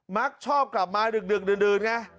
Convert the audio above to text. มักชอบกลับมาดึกดื่นไง